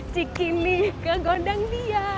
cikini ke gondang dia